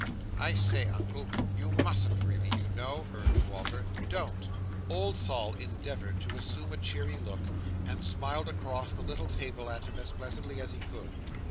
"I say, Uncle! You musn't really, you know!" urged Walter. "Don't!" Old Sol endeavoured to assume a cheery look, and smiled across the little table at him as pleasantly as he could.